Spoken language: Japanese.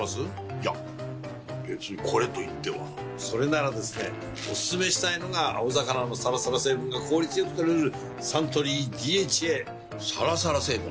いや別にこれといってはそれならですねおすすめしたいのが青魚のサラサラ成分が効率良く摂れるサントリー「ＤＨＡ」サラサラ成分？